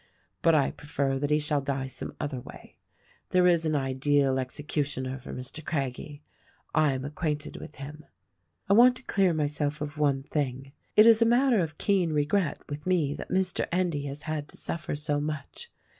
But I prefer that he shall die some other way. There is an ideal execu tioner for Mr. Craggie; I am acquainted with him. ''I want to clear myself of one thing. It is a matter of keen regret with me that Mr. Endy has had to suffer so much.